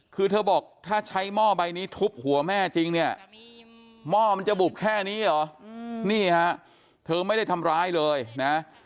คือเธอบอกถ้าใช้หม้อใบนี้ทุบหัวแม่จริงเนี่ยหม้อมันจะบุบแค่นี้เหรอนี่ฮะเธอไม่ได้ทำร้ายเลยนะ